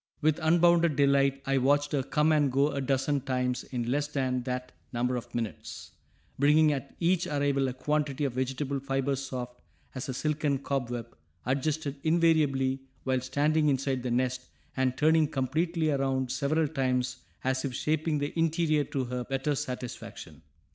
With unbounded delight I watched her come and go a dozen times in less than that number of minutes, bringing at each arrival a quantity of vegetable fiber soft as a silken cobweb, adjusted invariably while standing inside the nest and turning completely around several times as if shaping the interior to her better satisfaction.